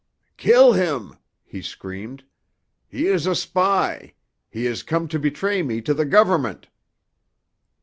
"Kill him!" he screamed. "He is a spy! He has come to betray me to the government!"